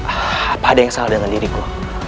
apa ada yang salah dengan diriku